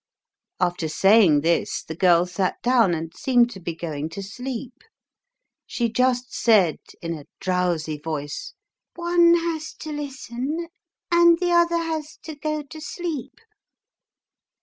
After saying this the girl sat down and seemed to be going to sleep ; she just said in a drowsy voice, " One has to listen, and the other has to go to sleep."